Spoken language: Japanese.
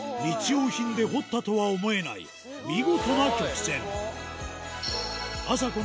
日用品で彫ったとは思えない見事な曲線あさ